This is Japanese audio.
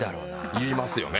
言いますよね。